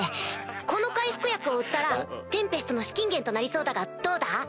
この回復薬を売ったらテンペストの資金源となりそうだがどうだ？